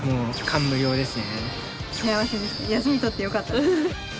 休み取ってよかった。